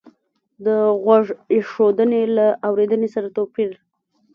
د غوږ ایښودنې له اورېدنې سره توپیر